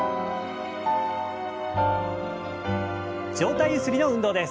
上体ゆすりの運動です。